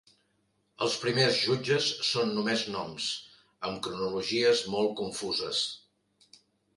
Els primers jutges són només noms, amb cronologies molt confuses.